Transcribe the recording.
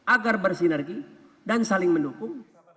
agar bersinergi dan saling mendukung